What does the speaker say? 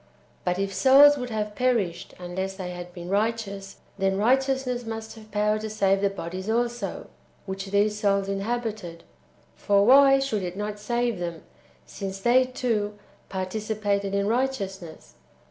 But if souls would have^ perished unless they had been righteous, then righteousness must have power to save the bodies also [which these souls inhabited] ; for why should it not save them, since they, too, participated in righteousness